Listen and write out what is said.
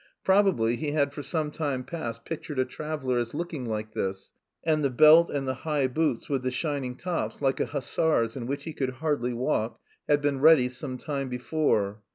Probably he had for some time past pictured a traveller as looking like this, and the belt and the high boots with the shining tops like a hussar's, in which he could hardly walk, had been ready some time before.